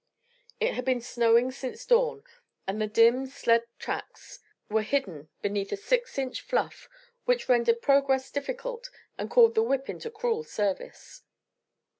It had been snowing since dawn, and the dim sled tracks were hidden beneath a six inch fluff which rendered progress difficult and called the whip into cruel service.